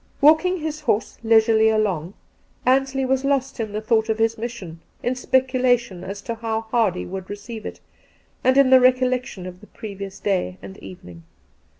Walking his horse leisurely along, Ansley was lost in the thought of his mission, in speculation as to how Hardy would receive it, and in the recollec tion of the previous day and evening.